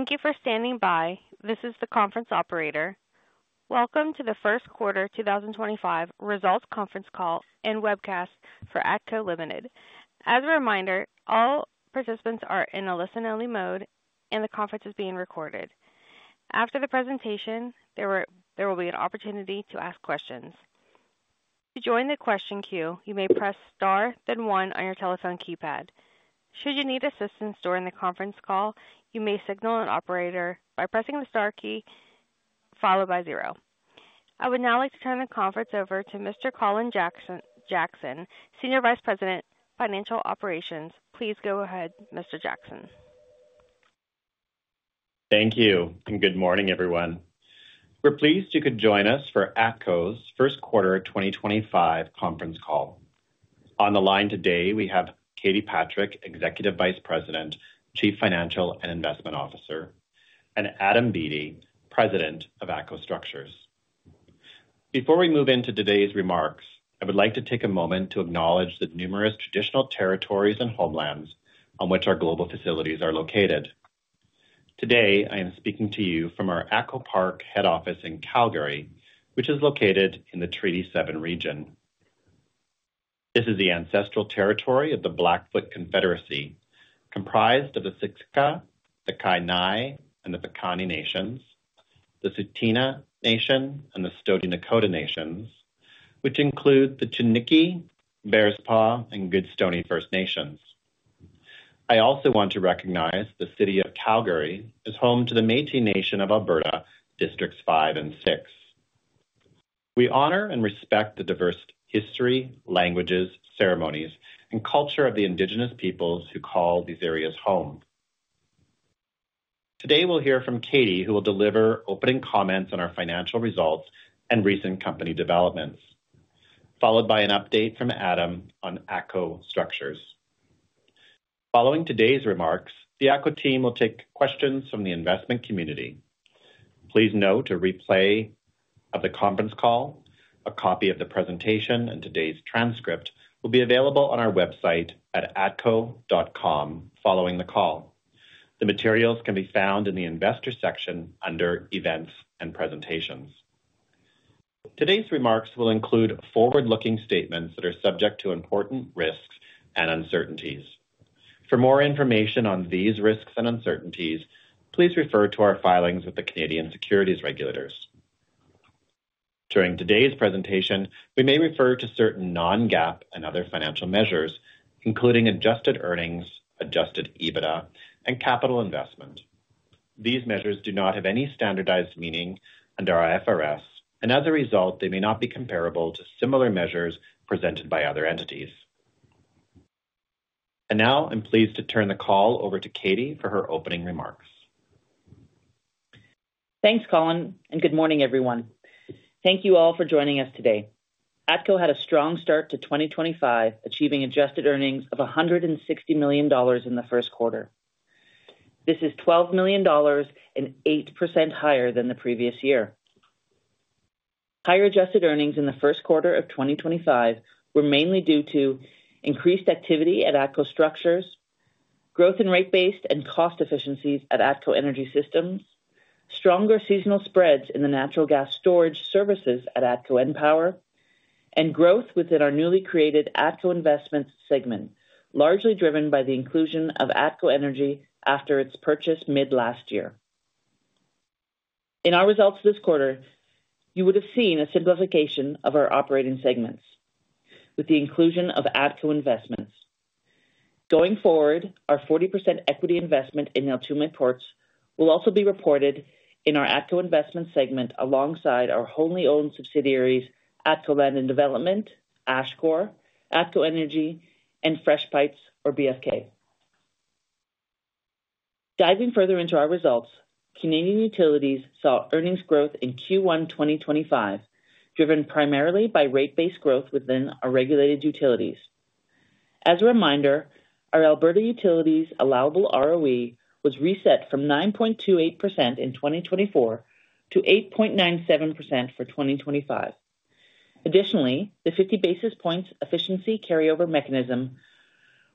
Thank you for standing by. This is the conference operator. Welcome to the First Quarter 2025 Results Conference Call and webcast for ATCO Ltd. As a reminder, all participants are in a listen-only mode, and the conference is being recorded. After the presentation, there will be an opportunity to ask questions. To join the question queue, you may press star, then one on your telephone keypad. Should you need assistance during the conference call, you may signal an operator by pressing the star key followed by zero. I would now like to turn the conference over to Mr. Colin Jackson, Senior Vice President, Financial Operations. Please go ahead, Mr. Jackson. Thank you and good morning, everyone. We're pleased you could join us for ATCO's First Quarter 2025 Conference Call. On the line today, we have Katie Patrick, Executive Vice President, Chief Financial and Investment Officer, and Adam Beattie, President of ATCO Structures. Before we move into today's remarks, I would like to take a moment to acknowledge the numerous traditional territories and homelands on which our global facilities are located. Today, I am speaking to you from our ATCO Park, head office in Calgary, which is located in the Treaty 7 region. This is the ancestral territory of the Blackfoot Confederacy, comprised of the Siksika, the Kainai, and the Piikani Nations, the Tsuut'ina Nation, and the Stoney Nakoda Nations, which include the Chiniki, Bearspaw, and Goodstoney First Nations. I also want to recognize the city of Calgary, is home to the Métis Nation of Alberta, Districts 5 and 6. We honor and respect the diverse history, languages, ceremonies, and culture of the Indigenous peoples who call these areas home. Today, we'll hear from Katie, who will deliver opening comments on our financial results and recent company developments, followed by an update from Adam, on ATCO Structures. Following today's remarks, the ATCO team, will take questions from the investment community. Please note a replay of the conference call, a copy of the presentation, and today's transcript will be available on our website at atco.com following the call. The materials can be found in the investor section under events and presentations. Today's remarks will include forward-looking statements that are subject to important risks and uncertainties. For more information on these risks and uncertainties, please refer to our filings with the Canadian Securities Regulators. During today's presentation, we may refer to certain non-GAAP, and other financial measures, including adjusted earnings, adjusted EBITDA, and capital investment. These measures do not have any standardized meaning under IFRS, and as a result, they may not be comparable to similar measures presented by other entities. I am pleased to turn the call over to Katie for her opening remarks. Thanks, Colin, and good morning, everyone. Thank you all for joining us today. ATCO, had a strong start to 2025, achieving adjusted earnings, of 160 million dollars, in the first quarter. This is 12 million dollars, and 8%, higher than the previous year. Higher adjusted earnings in the first quarter of 2025, were mainly due to increased activity at ATCO Structures, growth in rate-based and cost efficiencies, at ATCO Energy Systems, stronger seasonal spreads in the natural gas storage services at ATCO EnPower, and growth within our newly created ATCO Investments segment, largely driven by the inclusion of ATCO Energy, after its purchase mid-last year. In our results this quarter, you would have seen a simplification of our operating segments with the inclusion of ATCO Investments. Going forward, our 40%, equity investment, in Neltume Ports, will also be reported in our ATCO Investments segment, alongside our wholly owned subsidiaries, ATCO Land and Development, Ashcore, ATCO Energy, and Fresh Bites, or BFK. Diving further into our results, Canadian Utilities, saw earnings growth, in Q1 2025, driven primarily by rate-based growth within our regulated utilities. As a reminder, our Alberta utilities, allowable ROE, was reset from 9.28%, in 2024, to 8.97%, for 2025. Additionally, the 50 basis points, efficiency carryover mechanism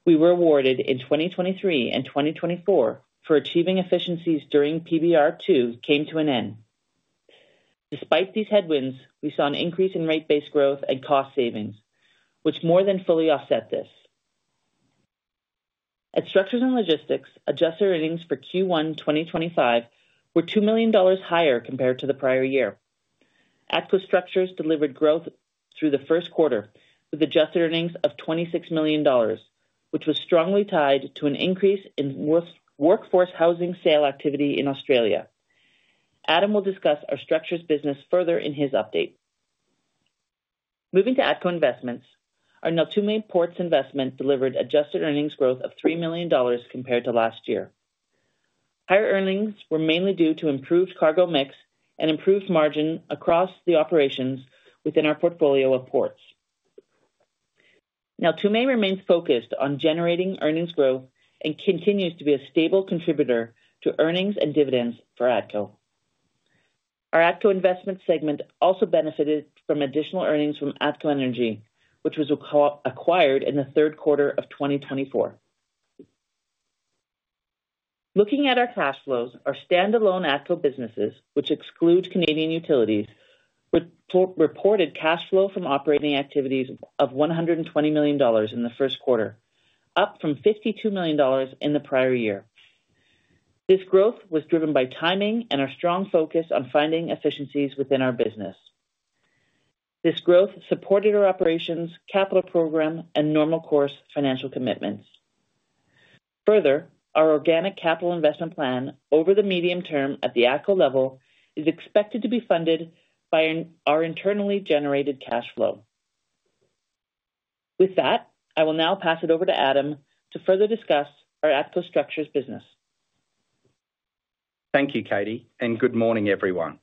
we were awarded in 2023 and 2024, for achieving efficiencies, during PBR 2, came to an end. Despite these headwinds, we saw an increase in rate-based growth and cost savings, which more than fully offset this. At Structures and Logistics, adjusted earnings, for Q1 2025, were $2 million, higher compared to the prior year. ATCO Structures, delivered growth through the first quarter with adjusted earnings of 26 million dollars, which was strongly tied to an increase in workforce housing sale activity, in Australia. Adam, will discuss our structures business further in his update. Moving to ATCO Investments, our Neltume Ports investment, delivered adjusted earnings growth, of 3 million dollars, compared to last year. Higher earnings, were mainly due to improved cargo mix and improved margin, across the operations within our portfolio of ports. Neltume, remains focused on generating earnings growth, and continues to be a stable contributor to earnings and dividends for ATCO. Our ATCO Investments segment, also benefited from additional earnings from ATCO Energy, which was acquired in the third quarter, of 2024. Looking at our cash flows, our standalone ATCO businesses, which exclude Canadian Utilities, reported cash flow from operating activities of 120 million dollars, in the first quarter, up from 52 million dollars, in the prior year. This growth was driven by timing and our strong focus on finding efficiencies within our business. This growth supported our operations, capital program, and normal course financial commitments. Further, our organic capital investment plan, over the medium term at the ATCO level, is expected to be funded by our internally generated cash flow. With that, I will now pass it over to Adam to further discuss our ATCO Structures business. Thank you, Katie, and good morning, everyone.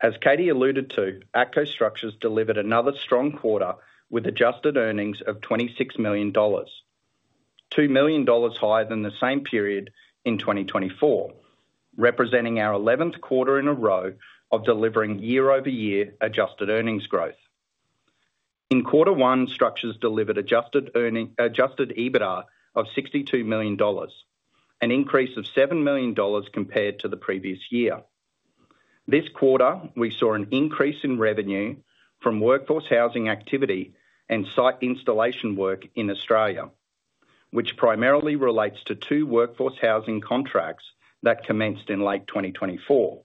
As Katie alluded to, ATCO Structures, delivered another strong quarter, with adjusted earnings, of 26 million dollars, 2 million dollars, higher than the same period in 2024, representing our 11th quarter,, in a row of delivering year-over-year adjusted earnings growth. In quarter one, Structures delivered adjusted EBITDA, of CAD 62 million, an increase of CAD 7 million, compared to the previous year. This quarter, we saw an increase in revenue from workforce housing activity and site installation work in Australia, which primarily relates to two workforce housing contracts that commenced in late 2024.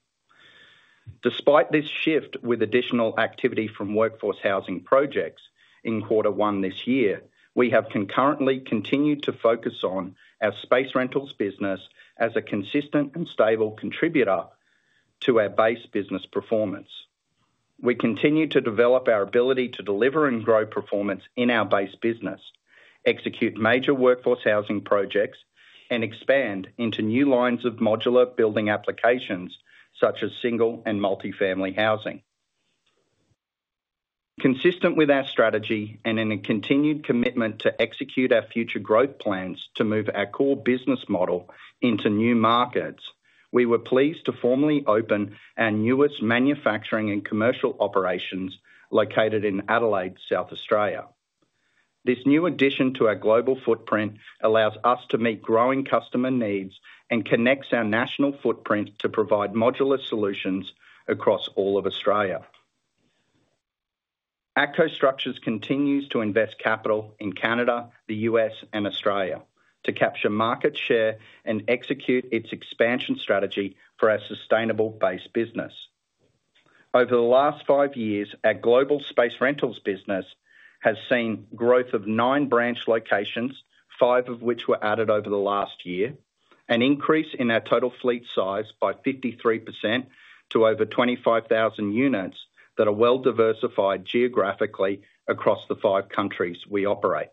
Despite this shift with additional activity from workforce housing projects in quarter one this year, we have concurrently continued to focus on our space rentals business as a consistent and stable contributor to our base business performance. We continue to develop our ability to deliver and grow performance in our base business, execute major workforce housing projects, and expand into new lines of modular building applications such as single and multi-family housing. Consistent with our strategy and in a continued commitment to execute our future growth plans to move our core business model, into new markets, we were pleased to formally open our newest manufacturing and commercial operations located in Adelaide, South Australia. This new addition to our global footprint allows us to meet growing customer needs and connects our national footprint to provide modular solutions across all of Australia. ATCO Structures, continues to invest capital in Canada, the U.S., and Australia, to capture market share, and execute its expansion strategy for our sustainable base business. Over the last five years, our global space rentals business has seen growth, of nine branch locations, five of which were added over the last year, an increase in our total fleet size by 53%, to over 25,000 units, that are well-diversified geographically across the five countries we operate,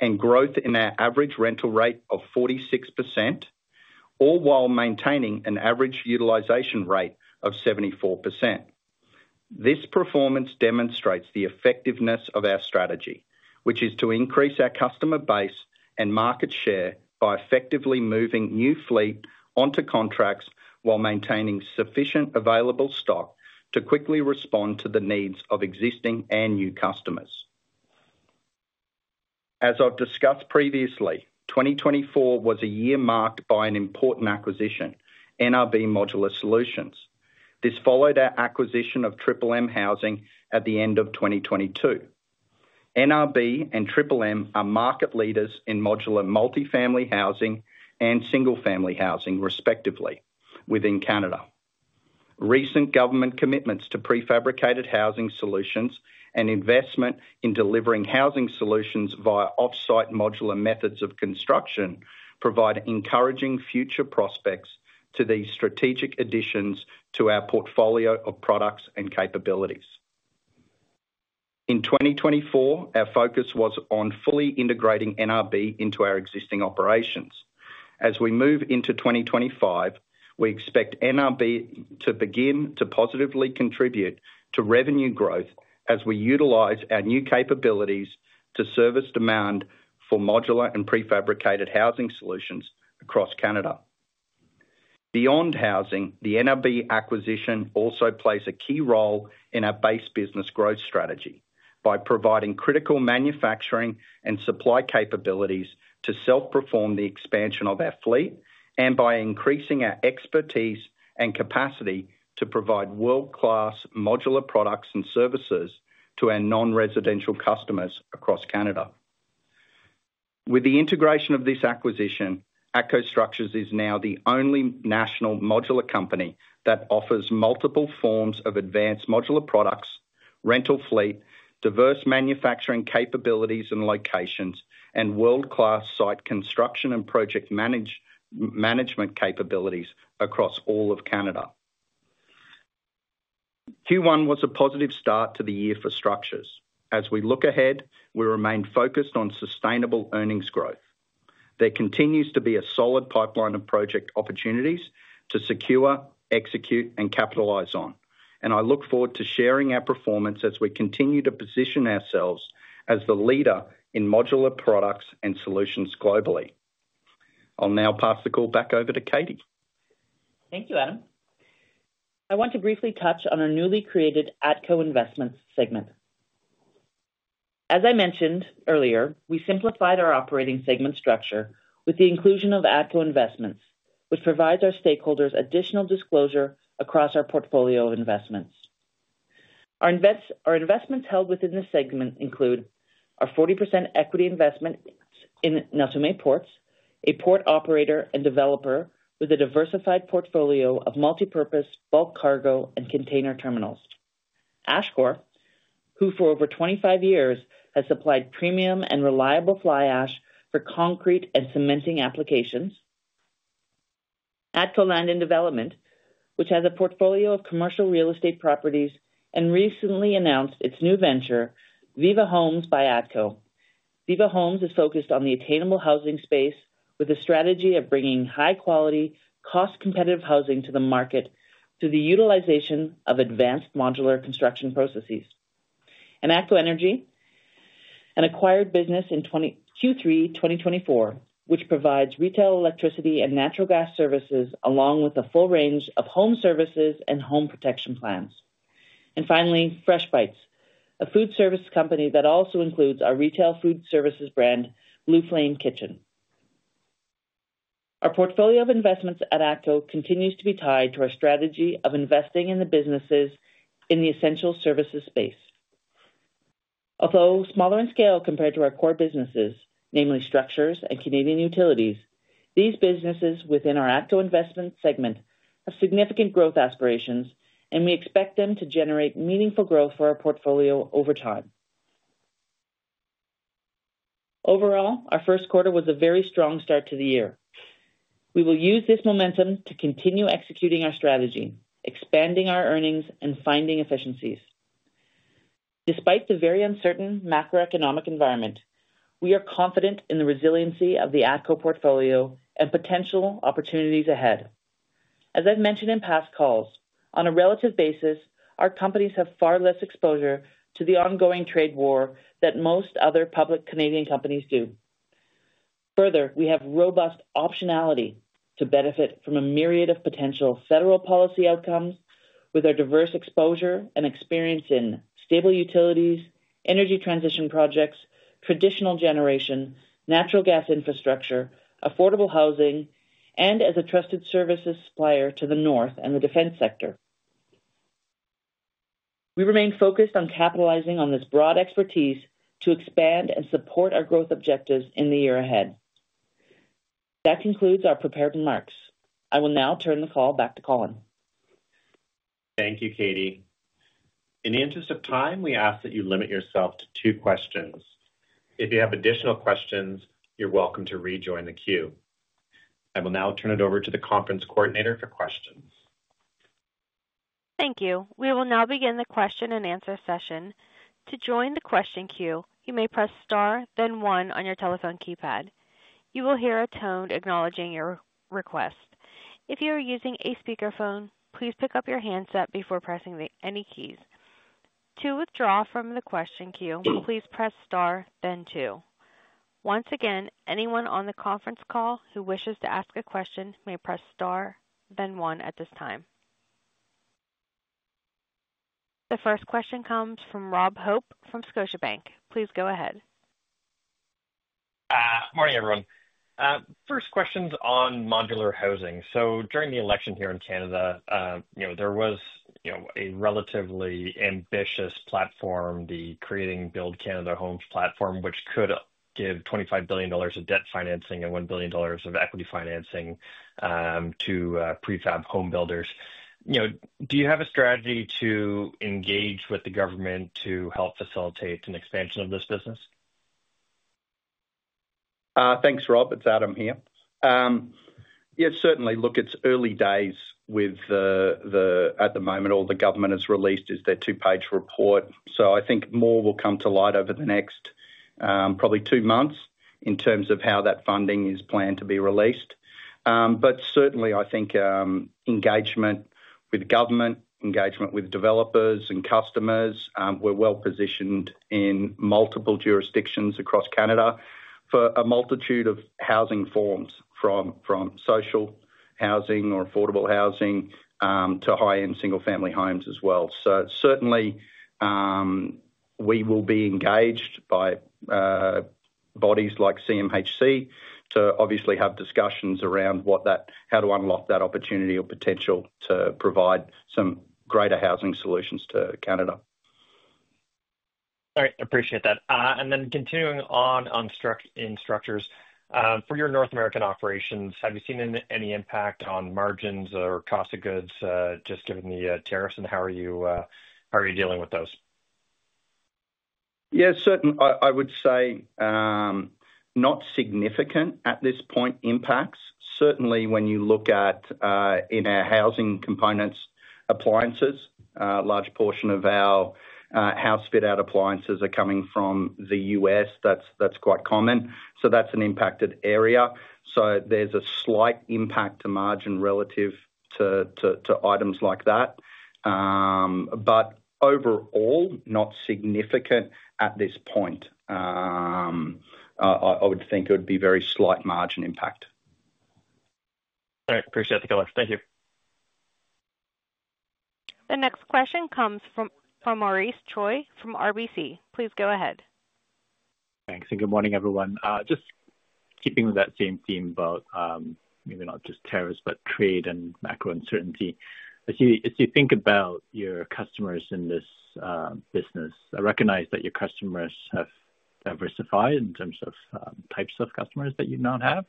and growth in our average rental rate, of 46%, all while maintaining an average utilization rate, of 74%. This performance demonstrates the effectiveness of our strategy, which is to increase our customer base and market share by effectively moving new fleet onto contracts while maintaining sufficient available stock to quickly respond to the needs of existing and new customers. As I've discussed previously, 2024, was a year marked by an important acquisition, NRB Modular Solutions. This followed our acquisition of Triple M Housing, at the end of 2022. NRB and Triple M, are market leaders in modular multi-family housing and single-family housing, respectively, within Canada. Recent government commitments to prefabricated housing solutions and investment in delivering housing solutions via off-site modular methods of construction provide encouraging future prospects to these strategic additions to our portfolio of products and capabilities. In 2024, our focus was on fully integrating NRB, into our existing operations. As we move into 2025, we expect NRB, to begin to positively contribute to revenue growth, as we utilize our new capabilities to service demand for modular and prefabricated housing solutions across Canada. Beyond housing, the NRB acquisition, also plays a key role in our base business growth strategy by providing critical manufacturing and supply capabilities to self-perform the expansion of our fleet and by increasing our expertise and capacity to provide world-class modular products and services, to our non-residential customers across Canada. With the integration of this acquisition, ATCO Structures, is now the only national modular company that offers multiple forms of advanced modular products, rental fleet, diverse manufacturing capabilities and locations, and world-class site construction and project management capabilities, across all of Canada. Q1, was a positive start to the year for structures. As we look ahead, we remain focused on sustainable earnings growth. There continues to be a solid pipeline of project opportunities to secure, execute, and capitalize on, and I look forward to sharing our performance as we continue to position ourselves as the leader in modular products and solutions globally. I'll now pass the call back over to Katie. Thank you, Adam. I want to briefly touch on our newly created ATCO Investments segment. As I mentioned earlier, we simplified our operating segment structure with the inclusion of ATCO Investments, which provides our stakeholders additional disclosure across our portfolio of investments. Our investments held within this segment, include our 40%, equity investment, in Neltume Ports, a port operator and developer, with a diversified portfolio of multi-purpose, bulk cargo, and container terminals; Ashcore, who for over 25 years has supplied premium and reliable fly ash for concrete and cementing applications; ATCO Land and Development, which has a portfolio of commercial real estate properties and recently announced its new venture, Viva Homes by ATCO. Viva Homes, is focused on the attainable housing space with a strategy of bringing high-quality, cost-competitive housing to the market through the utilization of advanced modular construction processes. ATCO Energy, an acquired business in Q3, 2024, provides retail electricity and natural gas services along with a full range of home services and home protection plans. Finally, Fresh Bites, a food service company, also includes our retail food services brand, Blue Flame Kitchen. Our portfolio of investments at ATCO, continues to be tied to our strategy of investing in the businesses in the essential services space. Although smaller in scale compared to our core businesses, namely structures and Canadian Utilities, these businesses within our ATCO Investments segment, have significant growth aspirations, and we expect them to generate meaningful growth for our portfolio over time. Overall, our first quarter was a very strong start to the year. We will use this momentum to continue executing our strategy, expanding our earnings, and finding efficiencies. Despite the very uncertain macroeconomic environment, we are confident in the resiliency of the ATCO portfolio, and potential opportunities ahead. As I've mentioned in past calls, on a relative basis, our companies have far less exposure to the ongoing trade war that most other public Canadian companies do. Further, we have robust optionality to benefit from a myriad of potential federal policy outcomes with our diverse exposure and experience in stable utilities, energy transition projects, traditional generation, natural gas infrastructure, affordable housing, and as a trusted services supplier to the North and the defense sector. We remain focused on capitalizing on this broad expertise to expand and support our growth objectives in the year ahead. That concludes our prepared remarks. I will now turn the call back to Colin. Thank you, Katie. In the interest of time, we ask that you limit yourself to two questions. If you have additional questions, you're welcome to rejoin the queue. I will now turn it over to the conference coordinator for questions. Thank you. We will now begin the question and answer session. To join the question queue, you may press star, then one on your telephone keypad. You will hear a tone acknowledging your request. If you are using a speakerphone, please pick up your handset before pressing any keys. To withdraw from the question queue, please press star, then two. Once again, anyone on the conference call who wishes to ask a question may press star, then one at this time. The first question comes from Rob Hope, from Scotia Bank. Please go ahead. Morning, everyone. First question's on modular housing. During the election here in Canada, there was a relatively ambitious platform, the Creating Build Canada Homes platform, which could give 25 billion dollars, of debt financing and 1 billion dollars, of equity financing, to prefab home builders. Do you have a strategy to engage with the government to help facilitate an expansion of this business? Thanks, Rob. It's Adam here. Yeah, certainly. Look, it's early days with the, at the moment, all the government has released is their two-page report. I think more will come to light over the next probably two months in terms of how that funding is planned to be released. Certainly, I think engagement with government, engagement with developers and customers, we're well positioned in multiple jurisdictions across Canada for a multitude of housing forms, from social housing or affordable housing to high-end single-family homes as well. Certainly, we will be engaged by bodies like CMHC, to obviously have discussions around how to unlock that opportunity or potential to provide some greater housing solutions to Canada. All right. Appreciate that. Continuing on in structures, for your North American operations, have you seen any impact on margins or cost of goods just given the tariffs? How are you dealing with those? Yeah, certainly. I would say not significant at this point impacts. Certainly, when you look at in our housing components, appliances, a large portion of our house fit-out appliances are coming from the U.S. That's quite common. So that's an impacted area. There's a slight impact to margin relative to items like that. Overall, not significant at this point. I would think it would be very slight margin impact. All right. Appreciate the comment. Thank you. The next question comes from Maurice Choy, from RBC. Please go ahead. Thanks. Good morning, everyone. Just keeping that same theme about maybe not just tariffs, but trade and macro uncertainty. As you think about your customers in this business, I recognize that your customers have diversified in terms of types of customers that you now have.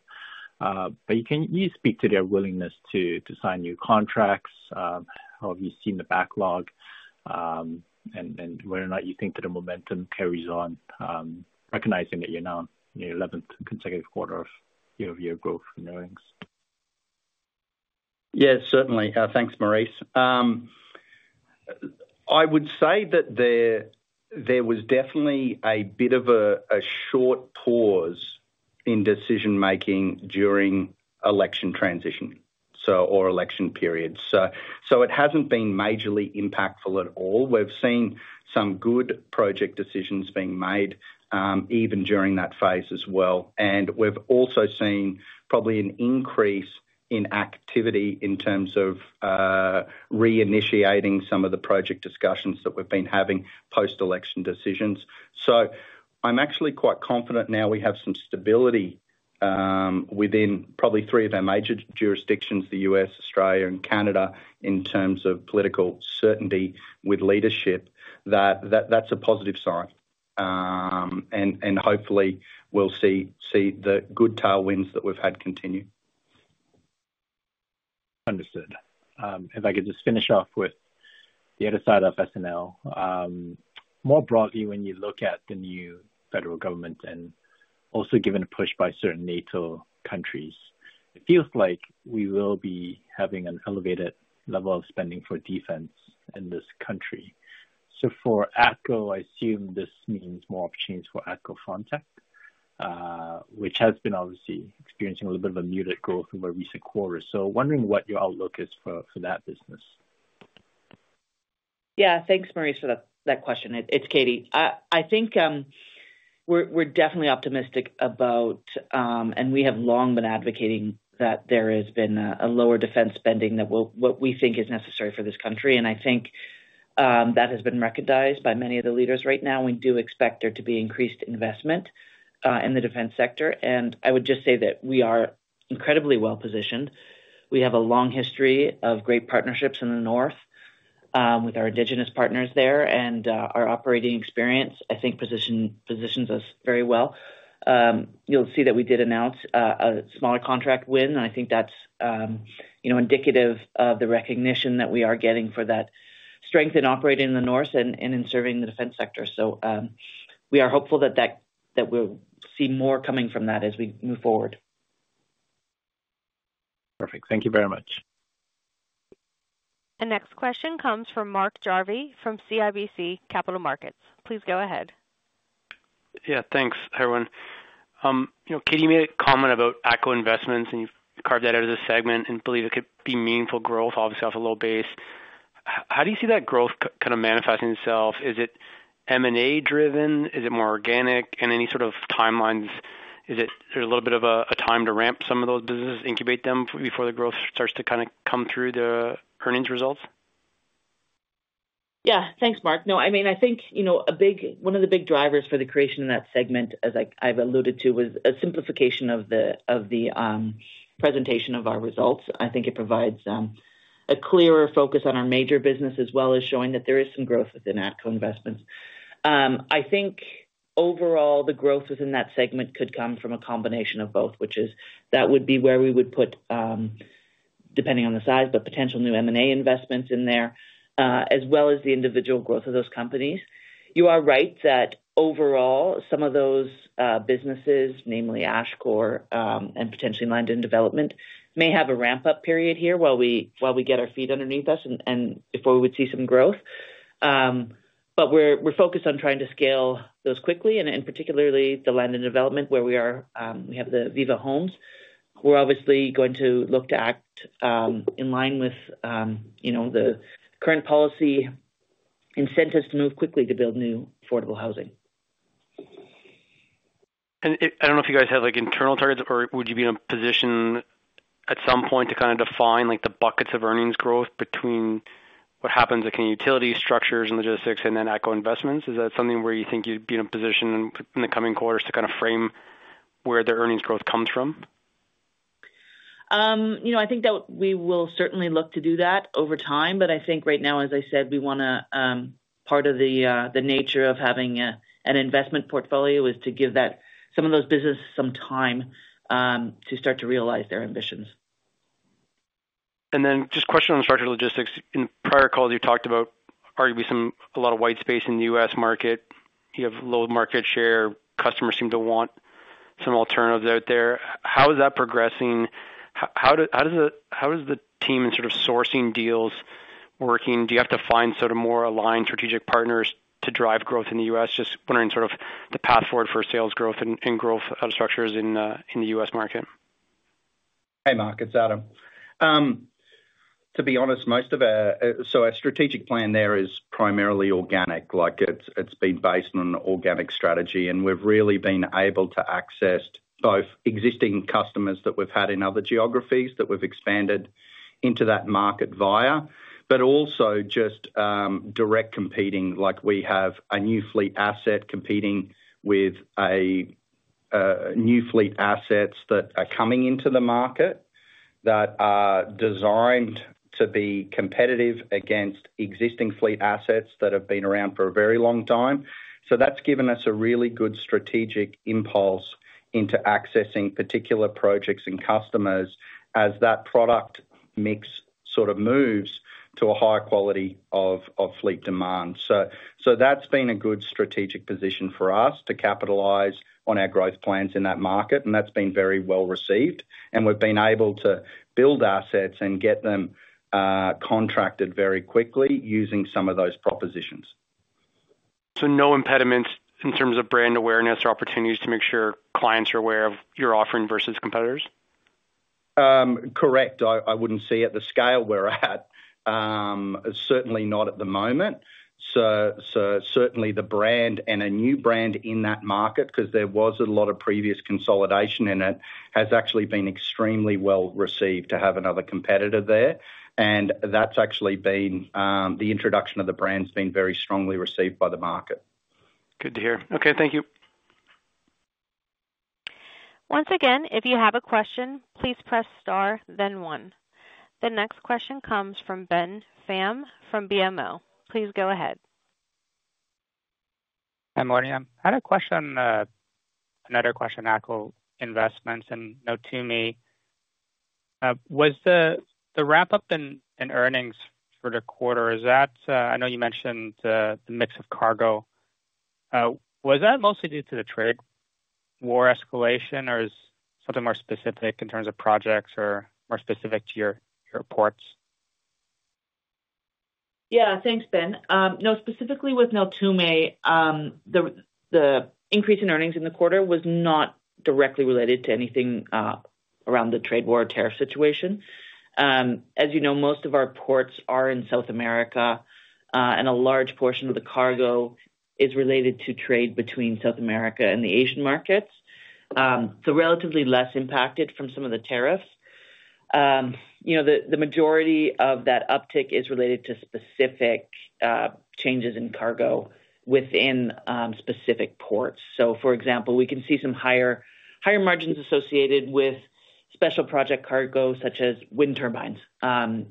Can you speak to their willingness to sign new contracts? How have you seen the backlog and whether or not you think that the momentum carries on, recognizing that you're now in your 11th consecutive quarter, of year-over-year growth in earnings? Yeah, certainly. Thanks, Maurice. I would say that there was definitely a bit of a short pause in decision-making during election transition or election period. It has not been majorly impactful at all. We've seen some good project decisions being made even during that phase as well. We've also seen probably an increase in activity in terms of reinitiating some of the project discussions that we've been having post-election decisions. I'm actually quite confident now we have some stability within probably three of our major jurisdictions, the U.S., Australia, and Canada, in terms of political certainty with leadership. That's a positive sign. Hopefully, we'll see the good tailwinds that we've had continue. Understood. If I could just finish off with the other side of S&L. More broadly, when you look at the new federal government and also given a push by certain NATO countries, it feels like we will be having an elevated level of spending for defense in this country. For ATCO, I assume this means more opportunities for ATCO Frontech, which has been obviously experiencing a little bit of a muted growth over recent quarters. I am wondering what your outlook is for that business. Yeah. Thanks, Maurice, for that question. It's Katie. I think we're definitely optimistic about, and we have long been advocating that there has been a lower defense spending than what we think is necessary for this country. I think that has been recognized by many of the leaders right now. We do expect there to be increased investment in the defense sector. I would just say that we are incredibly well positioned. We have a long history of great partnerships in the North, with our Indigenous partners there. Our operating experience, I think, positions us very well. You'll see that we did announce a smaller contract win. I think that's indicative of the recognition that we are getting for that strength in operating in the North, and in serving the defense sector. We are hopeful that we'll see more coming from that as we move forward. Perfect. Thank you very much. The next question comes from Mark Jarvi, from CIBC Capital Markets. Please go ahead. Yeah. Thanks, everyone. Katie, you made a comment about ATCO Investments, and you've carved that out of this segment and believe it could be meaningful growth, obviously off a low base. How do you see that growth kind of manifesting itself? Is it M&A-driven? Is it more organic? And any sort of timelines? Is there a little bit of a time to ramp some of those businesses, incubate them before the growth starts to kind of come through the earnings results? Yeah. Thanks, Mark. No, I mean, I think one of the big drivers for the creation of that segment, as I've alluded to, was a simplification of the presentation of our results. I think it provides a clearer focus on our major business as well as showing that there is some growth within ATCO Investments. I think overall, the growth within that segment could come from a combination of both, which is that would be where we would put, depending on the size, but potential new M&A investments, in there, as well as the individual growth of those companies. You are right that overall, some of those businesses, namely Ashcore, and potentially Land & Development, may have a ramp-up period here while we get our feet underneath us and before we would see some growth. We're focused on trying to scale those quickly, and particularly the Land & Development where we have the Viva Homes. We're obviously going to look to act in line with the current policy incentives, to move quickly to build new affordable housing. I don't know if you guys have internal targets, or would you be in a position at some point to kind of define the buckets of earnings growth, between what happens in utility structures and logistics and then ATCO Investments? Is that something where you think you'd be in a position in the coming quarters to kind of frame where their earnings growth comes from? I think that we will certainly look to do that over time. I think right now, as I said, we want to, part of the nature of having an investment portfolio is to give some of those businesses some time to start to realize their ambitions. Just a question on structure logistics. In prior calls, you talked about there'll be a lot of white space in the U.S. market. You have low market share. Customers, seem to want some alternatives out there. How is that progressing? How does the team in sort of sourcing deals working? Do you have to find sort of more aligned strategic partners to drive growth in the U.S.? Just wondering sort of the path forward for sales growth and growth out of structures, in the U.S. market. Hey, Mark. It's Adam. To be honest, most of our strategic plan there is primarily organic. It's been based on an organic strategy. We've really been able to access both existing customers that we've had in other geographies that we've expanded into that market via, but also just direct competing. We have a new fleet asset competing with new fleet assets that are coming into the market that are designed to be competitive against existing fleet assets that have been around for a very long time. That has given us a really good strategic impulse into accessing particular projects and customers as that product mix sort of moves to a higher quality of fleet demand. That has been a good strategic position for us to capitalize on our growth plans in that market. That has been very well received. We have been able to build assets and get them contracted very quickly using some of those propositions. No impediments in terms of brand awareness or opportunities to make sure clients are aware of your offering versus competitors? Correct. I would not see it at the scale we are at. Certainly not at the moment. Certainly the brand and a new brand in that market, because there was a lot of previous consolidation in it, has actually been extremely well received to have another competitor there. That has actually been, the introduction of the brand has been very strongly received by the market. Good to hear. Okay. Thank you. Once again, if you have a question, please press star, then one. The next question comes from Ben Pham, from BMO. Please go ahead. Hey, morning. I had a question, another question, ATCO Investments, and note to me, was the wrap-up in earnings for the quarter, is that I know you mentioned the mix of cargo. Was that mostly due to the trade war escalation, or is something more specific in terms of projects or more specific to your ports? Yeah. Thanks, Ben. No, specifically with Neltume, the increase in earnings in the quarter was not directly related to anything around the trade war tariff situation. As you know, most of our ports are in South America, and a large portion of the cargo, is related to trade between South America and the Asian markets. So relatively less impacted from some of the tariffs. The majority of that uptick is related to specific changes in cargo within specific ports. For example, we can see some higher margins associated with special project cargo such as wind turbines,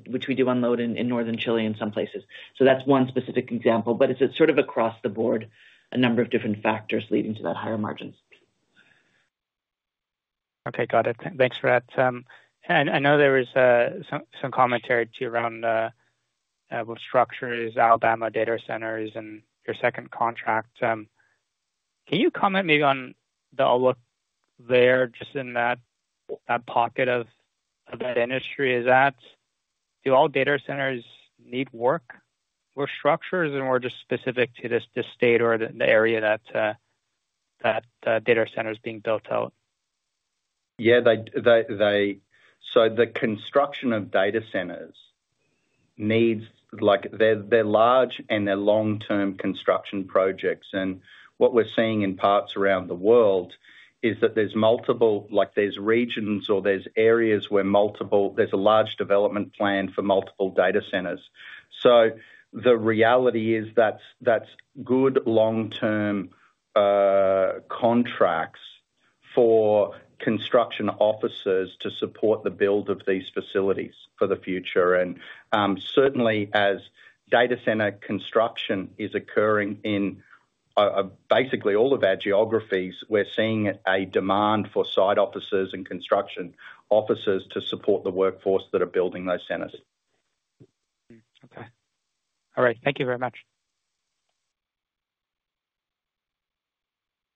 which we do unload in northern Chile, in some places. That is one specific example. It is sort of across the board, a number of different factors leading to that higher margins. Okay. Got it. Thanks for that. I know there was some commentary too around what structures, Alabama data centers, and your second contract. Can you comment maybe on the outlook there just in that pocket of that industry? Do all data centers need workforce housing or structures, or just specific to this state or the area that data center is being built out? Yeah. The construction of data centers, needs they're large and they're long-term construction projects. What we're seeing in parts around the world is that there's regions or there's areas where there's a large development plan for multiple data centers. The reality is that's good long-term contracts for construction officers to support the build of these facilities for the future. Certainly, as data center construction, is occurring in basically all of our geographies, we're seeing a demand for site officers and construction officers to support the workforce that are building those centers. Okay. All right. Thank you very much.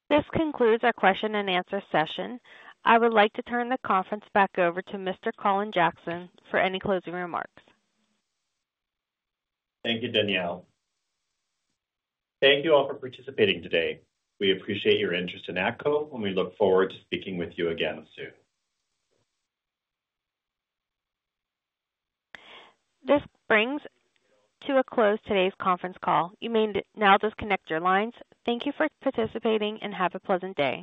This concludes our question and answer session. I would like to turn the conference back over to Mr. Colin Jackson, for any closing remarks. Thank you, Danielle. Thank you all for participating today. We appreciate your interest in ATCO, and we look forward to speaking with you again soon. This brings to a close today's conference call. You may now disconnect your lines. Thank you for participating and have a pleasant day.